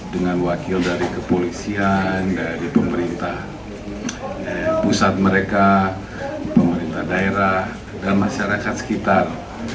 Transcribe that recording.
dengan wakil dari kepolisian dari pemerintah pusat mereka pemerintah daerah dan masyarakat sekitar